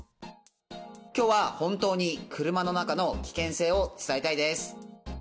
今日は本当に車の中の危険性を伝えたいです。